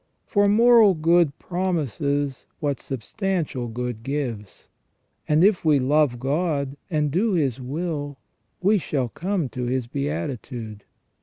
For moral good promises what substantial good gives ; and if we love God and do His will we shall come to His beatitude.